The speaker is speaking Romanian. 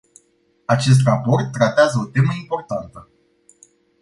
Acest raport tratează o temă importantă.